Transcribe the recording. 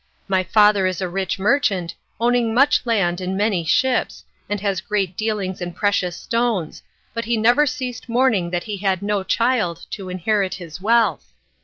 My father is a rich merchant, owning much land and many ships, and has great dealings in precious stones, but he never ceased mourning that he had no child to inherit his wealth.